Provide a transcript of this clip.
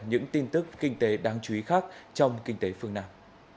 những tin tức kinh tế đáng chú ý khác trong kinh tế phương nam